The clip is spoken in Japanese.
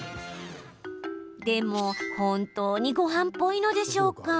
でも本当にごはんっぽいのでしょうか？